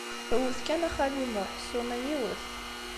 Wwet kan, a xali Muḥ, ssuma yiwet.